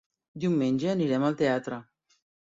Diumenge anirem al teatre.